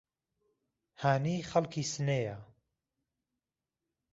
هانی خەڵکی سنەیە